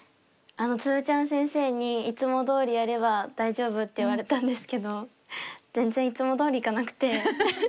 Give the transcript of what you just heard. つるちゃん先生に「いつもどおりやれば大丈夫」って言われたんですけど全然いつもどおりいかなくて。